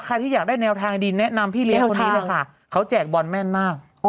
ที่อยากได้แนวทางดีแนะนำพี่เลี้ยงคนนี้เลยค่ะเขาแจกบอลแม่นมาก